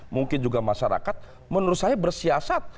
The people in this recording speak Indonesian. mungkin juga masyarakat menurut saya bersiasat